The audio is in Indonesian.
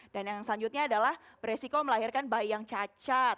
dan yang selanjutnya adalah beresiko melahirkan bayi yang cacat